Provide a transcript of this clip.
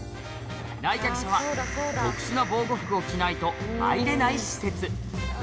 来客者は特殊な防護服を着ないと入れない施設